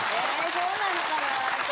そうなのかな？